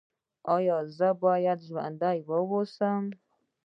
ایا زه باید ژوندی اوسم؟